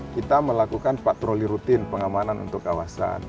kita melakukan patroli rutin pengamanan untuk kawasan